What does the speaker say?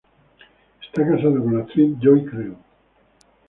Está casado con la actriz Joy Creel.